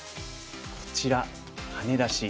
こちらハネ出し。